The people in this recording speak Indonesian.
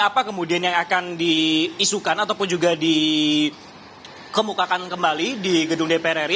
apa kemudian yang akan diisukan ataupun juga dikemukakan kembali di gedung dpr ri